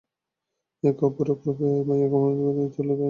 একি অপরূপ রূপে মায়ের কোমনীয়তাকে তুলে এনে তারা বিস্ময় ধরে রাখতে পারেননি।